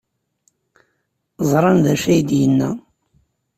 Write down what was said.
Ẓran d acu ay d-yenna?